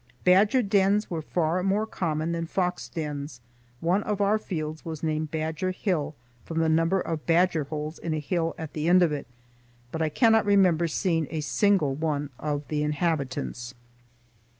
Badger dens were far more common than fox dens. One of our fields was named Badger Hill from the number of badger holes in a hill at the end of it, but I cannot remember seeing a single one of the inhabitants.